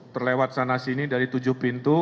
terlewat sana sini dari tujuh pintu